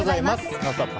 「ノンストップ！」